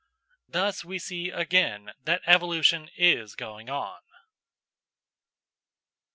Thus we see again that evolution is going on.